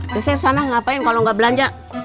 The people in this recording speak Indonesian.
biasa ya sana ngapain kalau nggak belanja